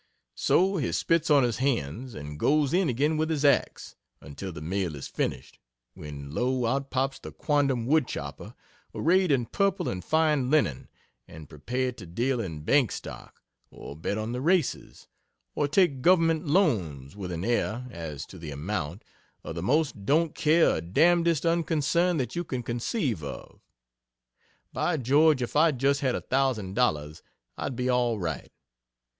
So he spits on his hands, and goes in again with his axe, until the mill is finished, when lo! out pops the quondam wood chopper, arrayed in purple and fine linen, and prepared to deal in bank stock, or bet on the races, or take government loans, with an air, as to the amount, of the most don't care a d dest unconcern that you can conceive of. By George, if I just had a thousand dollars I'd be all right!